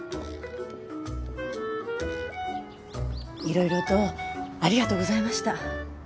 色々とありがとうございました。